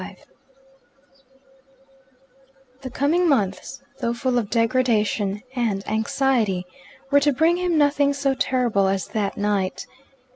XXIV The coming months, though full of degradation and anxiety, were to bring him nothing so terrible as that night.